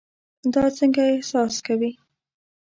دا څنګه احساس کوي؟